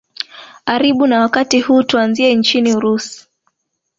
aribu na wakati huu tuanzie nchini urusi